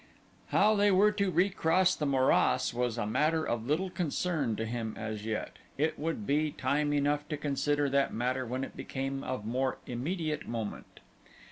How they were to recross the morass was a matter of little concern to him as yet it would be time enough to consider that matter when it became of more immediate moment.